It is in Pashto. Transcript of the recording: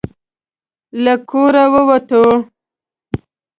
له کوره ووتو.